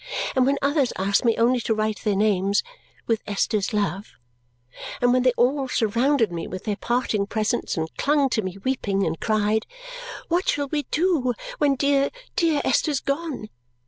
and when others asked me only to write their names, "With Esther's love," and when they all surrounded me with their parting presents and clung to me weeping and cried, "What shall we do when dear, dear Esther's gone!"